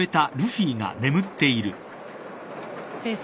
先生。